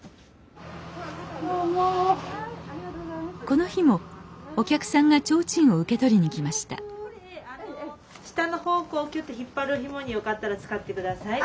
この日もお客さんが提灯を受け取りに来ました下の方こうきゅっと引っ張るひもによかったら使って下さい。